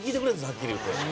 はっきり言うて。